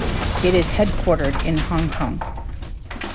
It is headquartered in Hong Kong.